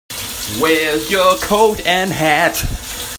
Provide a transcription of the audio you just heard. Where's your coat and hat?